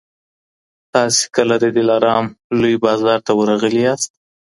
تاسي کله د دلارام لوی بازار ته ورغلي یاست